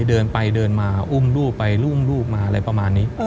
เดินไปเดินมาอุ้มลูกไปอุ้มลูกมาอะไรประมาณนี้